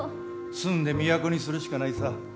「住んで都」にするしかないさ。